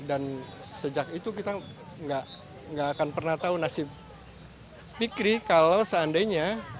dan sejak itu kita tidak akan pernah tahu nasib fikri kalau seandainya